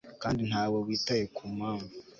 kandi ntawe witaye ku mpamvu